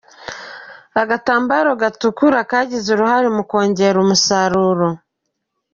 Agatambaro gatukura kagize uruhare mu kongera umusaruro.